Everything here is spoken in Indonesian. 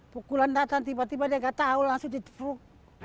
pukulan datang tiba tiba dia gak tahu langsung ditepuk